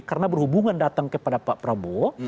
karena berhubungan datang kepada pak prabowo